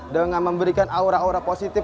dengan memberikan aura aura positif